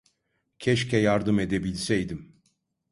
Keşke yardım edebilseydim.